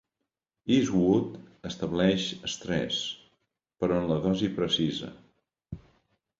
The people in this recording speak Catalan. Eastwood estableix estrès, però en la dosi precisa.